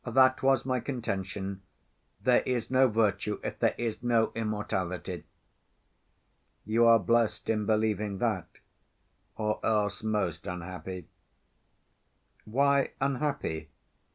That was my contention. There is no virtue if there is no immortality." "You are blessed in believing that, or else most unhappy." "Why unhappy?"